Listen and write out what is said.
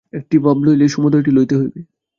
একটি ভাব লইলেই সমুদয়টি লইতে হইবে।